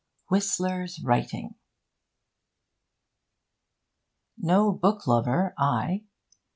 WHISTLER'S WRITING No book lover, I.